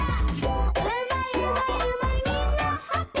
「うまいうまいうまいみんなハッピー」